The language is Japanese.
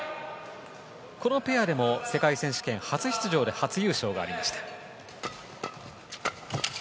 このペアでも世界選手権初出場で初優勝がありました。